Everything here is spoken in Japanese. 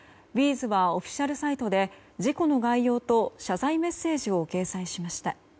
’ｚはオフィシャルサイトで事故の概要と謝罪メッセージを掲載しました。